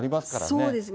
そうですね。